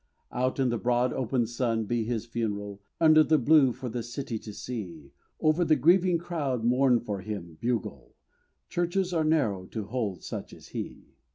Out in the broad open sun be his funeral, Under the blue for the city to see. Over the grieving crowd mourn for him, bugle! Churches are narrow to hold such as he.